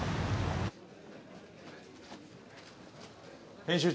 編集長は？